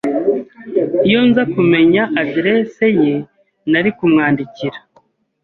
Iyo nza kumenya adresse ye, nari kumwandikira.